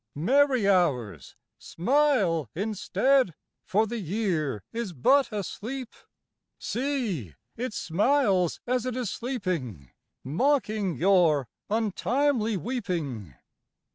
Merry Hours, smile instead, For the Year is but asleep. See, it smiles as it is sleeping, _5 Mocking your untimely weeping.